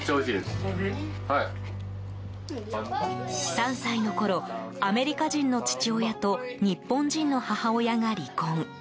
３歳のころアメリカ人の父親と日本人の母親が離婚。